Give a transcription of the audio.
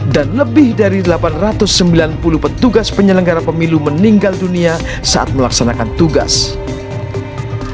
dan lebih dari delapan ratus sembilan puluh petugas penyelenggara pemilu meninggal dunia saat melaksanakan pemilu